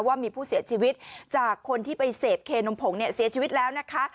ว่ามีผู้เสียชีวิตจากคนที่ไปเสพเคนมผงเนี่ยเสียชีวิตแล้วนะคะ